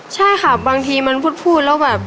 ใช่ค่ะบางทีมันพูดแล้วแบบ